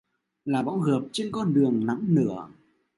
Là bóng rợp trên con đường nắng lửa